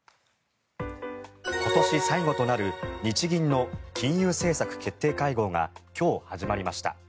今年最後となる日銀の金融政策決定会合が今日、始まりました。